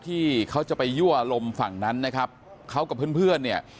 ที่เขาจะไปยั่วลมฝั่งนั้นนะครับเขากับเพื่อนเนี่ย